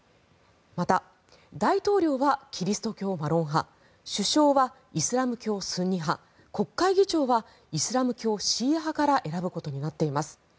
また大統領はキリスト教マロン派首相はイスラム教スンニ派国会議長はイスラム教シーア派から選ぶことになっています。